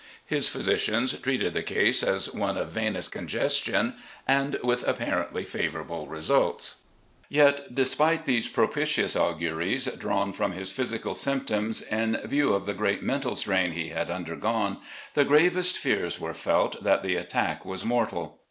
His physicians treated the case as one of venous congestion, and with apparently favourable results. Yet, despite these propitious auguries drawn from his physical symptoms, in view of the great mental strain he LAST DAYS 437 had undergone, the gravest fears were felt that the attack was mortal.